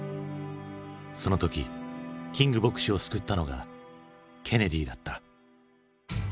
その時キング牧師を救ったのがケネディだった。